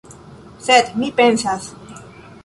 Sed mi pensas!